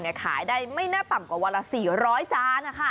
ขายได้ไม่น่าต่ำกว่าวันละ๔๐๐จาน